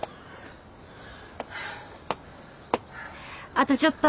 あとちょっと。